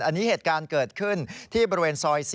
อันนี้เหตุการณ์เกิดขึ้นที่บริเวณซอย๔